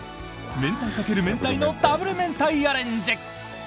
明太掛ける明太のダブル明太アレンジ。